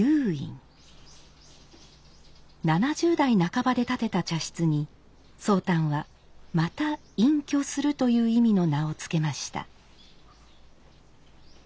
７０代半ばで建てた茶室に宗旦は「また隠居する」という意味の名を付けました。